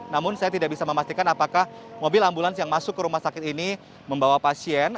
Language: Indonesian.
namun saya tidak bisa memastikan apakah mobil ambulans yang masuk ke rumah sakit ini membawa pasien